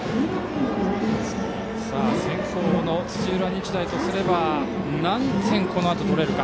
先攻の土浦日大とすれば何点このあと取れるか。